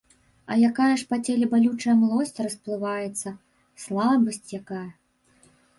А якая ж па целе балючая млосць расплываецца, слабасць якая!